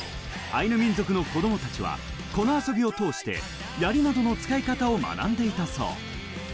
アイヌ民族の子供たちはこの遊びを通して、槍などの使い方を学んでいたそう。